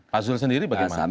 pak sul sendiri bagaimana